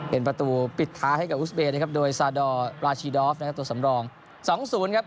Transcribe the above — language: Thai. เป็นประตูปิดท้ายให้กับอุสเบย์นะครับโดยซาดอร์ปราชีดอฟนะครับตัวสำรอง๒๐ครับ